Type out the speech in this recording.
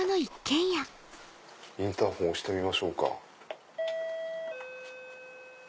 インターホン押してみましょうか。